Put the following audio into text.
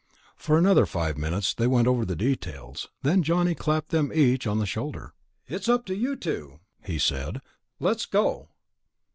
For another five minutes they went over the details. Then Johnny clapped them each on the shoulder. "It's up to you two," he said. "Let's go."